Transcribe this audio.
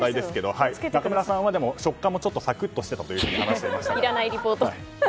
中村さんは食感もサクッとしていたと話していました。